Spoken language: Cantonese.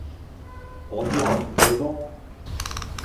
我以後唔去囉